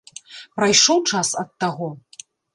Прайшоў час ад таго?